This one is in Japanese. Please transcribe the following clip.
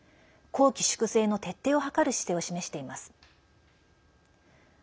綱紀粛正の徹底を図る姿勢を示しています。